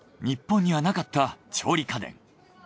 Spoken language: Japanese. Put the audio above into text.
日本にはなかった調理家電。